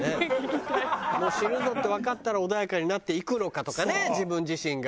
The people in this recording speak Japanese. もう死ぬぞってわかったら穏やかになっていくのかとかね自分自身が。